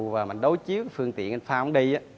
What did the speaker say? và mình đối chiếu phương tiện anh phong